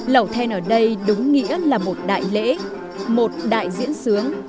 lẩu then ở đây đúng nghĩa là một đại lễ một đại diễn sướng